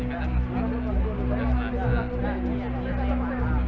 aku gak nombak